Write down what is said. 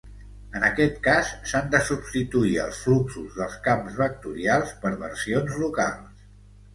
En aquest cas, s'han de substituir els fluxos dels camps vectorials per versions locals.